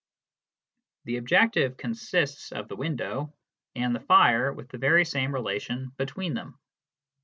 The objective consists of the window and the fire with the very same relation between them.